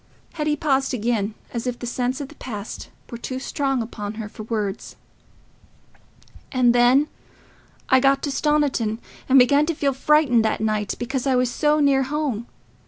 Hetty paused again, as if the sense of the past were too strong upon her for words. "And then I got to Stoniton, and I began to feel frightened that night, because I was so near home.